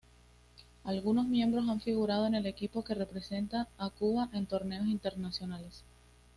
Algunos miembros han figurado en el equipo que representa a Cuba en torneos internacionales.